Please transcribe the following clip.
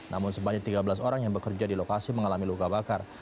namun sebanyak tiga belas orang yang bekerja di lokasi mengalami luka bakar